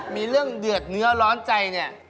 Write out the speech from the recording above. มีเรื่องเดือดเนื้อร้อนใจเนี่ย